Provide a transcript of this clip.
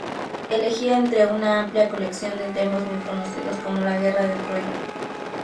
Elegía entre una amplia colección de temas muy conocidos, como la Guerra de Troya.